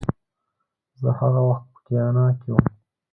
زه هغه وخت په ګیانا کې وم